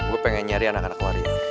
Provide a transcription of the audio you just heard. gue pengen nyari anak anak lari